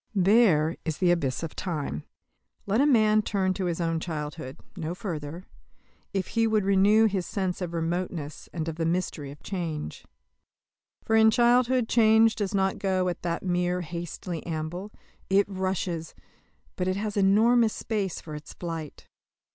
There is the abyss of time. Let a man turn to his own childhood no further if he would renew his sense of remoteness, and of the mystery of change. For in childhood change does not go at that mere hasty amble; it rushes; but it has enormous space for its flight.